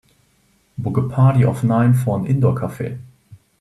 book a party of nine for an indoor cafe